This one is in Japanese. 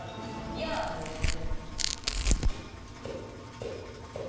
「ヤー」で終わって。